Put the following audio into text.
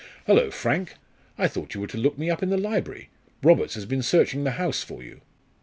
"Hullo, Frank! I thought you were to look me up in the library. Roberts has been searching the house for you."